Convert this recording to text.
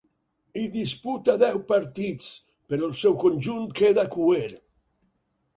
Hi disputa deu partits, però el seu conjunt queda cuer.